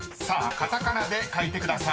［カタカナで書いてください］